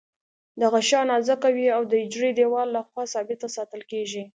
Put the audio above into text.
دا غشا نازکه وي او د حجروي دیوال له خوا ثابته ساتل کیږي.